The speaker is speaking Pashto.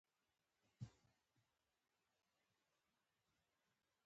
عصري تعلیم مهم دی ځکه چې د ټیم کار هڅوي.